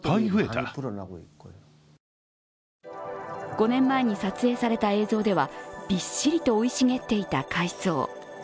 ５年前に撮影された映像ではびっしりと生い茂っていた海藻。